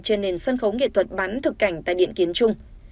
trên nền sân khấu nghệ thuật bán thực cảnh tại điện kiến trung